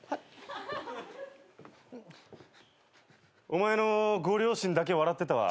お前のご両親だけ笑ってたわ。